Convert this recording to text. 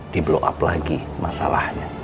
di blow up lagi masalahnya